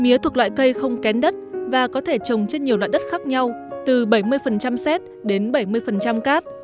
mía thuộc loại cây không kén đất và có thể trồng trên nhiều loại đất khác nhau từ bảy mươi xét đến bảy mươi cát